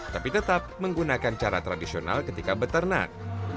tapi tetap menggunakan cara tradisional ketika beternak